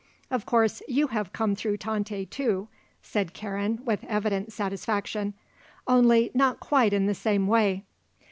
Of course you have come through Tante, too," said Karen, with evident satisfaction; "only not quite in the same way."